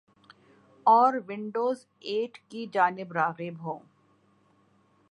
اور Windows eight کی جانب راغب ہوں ۔